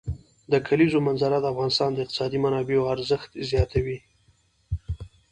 د کلیزو منظره د افغانستان د اقتصادي منابعو ارزښت زیاتوي.